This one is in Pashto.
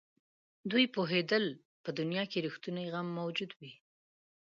دوی پوهېدل که په دنیا کې رښتونی غم موجود وي.